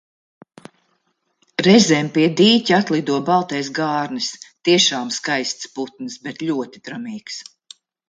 Reizēm pie dīķa atlido baltais gārnis - tiešām skaists putns, bet ļoti tramīgs.